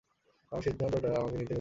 কারণ, সিদ্ধানটা আমাকে নিতেই হতো!